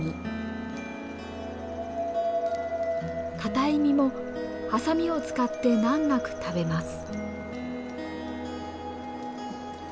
硬い実もハサミを使って難なく食べます。